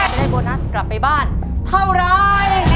จะได้โบนัสกลับไปบ้านเท่าไร